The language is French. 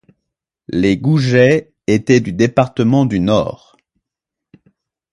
Les Goujet étaient du département du Nord.